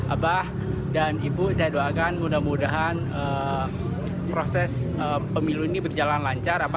abah dan ibu saya doakan mudah mudahan proses pemilu ini berjalan lancar